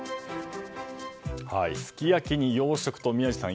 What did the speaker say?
すき焼きに洋食と宮司さん